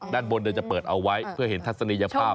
ด้านบนจะเปิดเอาไว้เพื่อเห็นทัศนียภาพ